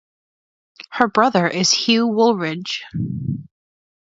Her brother is Hugh Wooldridge.